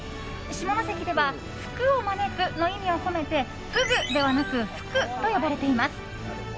下関では福を招くの意味を込めてフグではなくフクと呼ばれています。